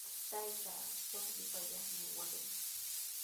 Taytaaqa chuqllu pallaqmi aywarqun.